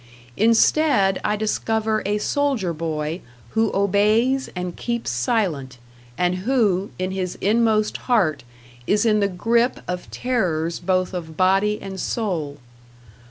Instead I discover a soldier boy who obeys and keeps silent, and who, in his inmost heart, is in the grip of terrors both of body and soul.